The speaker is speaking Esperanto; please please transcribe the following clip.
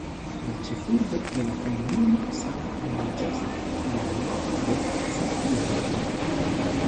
La ĉefurbo de la komunumo same nomiĝas "Valle de Santiago".